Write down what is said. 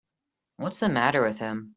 What's the matter with him.